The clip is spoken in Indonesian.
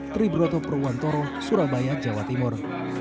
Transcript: tri broto perwantoro surabaya jawa timur